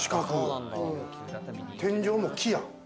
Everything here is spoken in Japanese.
天井も木や。